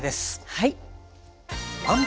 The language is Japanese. はい。